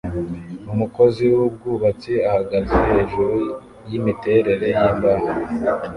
Umukozi wubwubatsi ahagaze hejuru yimiterere yimbaho